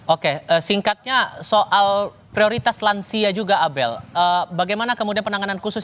oke singkatnya soal prioritas lansia juga abel bagaimana kemudian penanganan khusus